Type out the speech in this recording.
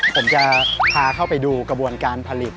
ผมจะพาเข้าไปดูกระบวนการผลิต